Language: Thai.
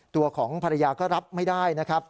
ตัวของภรรยาก็รับไม่ได้นะครับ